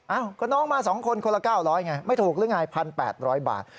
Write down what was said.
อ้าวก็น้องมา๒คนคนละ๙๐๐ไงไม่ถูกหรือไง๑๘๐๐บาท